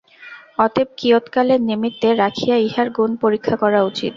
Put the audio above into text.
অতএব কিয়ৎ কালের নিমিত্তে রাখিয়া ইহার গুণ পরীক্ষা করা উচিত।